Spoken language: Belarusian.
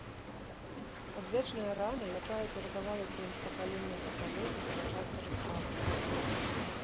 Адвечная рана, якая перадавалася ім з пакалення ў пакаленне, на час зрасталася.